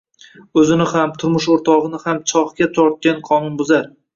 Ўзини ҳам турмуш ўртоғини ҳам “чоҳ”га тортган қонунбузар